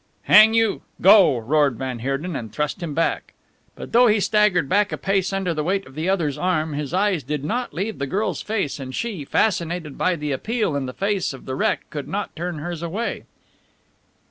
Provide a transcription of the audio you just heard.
"Hang you! Go!" roared van Heerden, and thrust him back. But though he staggered back a pace under the weight of the other's arm, his eyes did not leave the girl's face, and she, fascinated by the appeal in the face of the wreck, could not turn hers away.